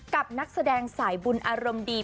นักแสดงสายบุญอารมณ์ดี